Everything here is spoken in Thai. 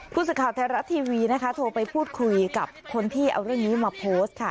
ผู้สื่อข่าวไทยรัฐทีวีนะคะโทรไปพูดคุยกับคนที่เอาเรื่องนี้มาโพสต์ค่ะ